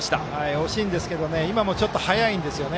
惜しいんですが今のもちょっと早いですね。